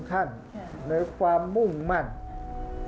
ภาคอีสานแห้งแรง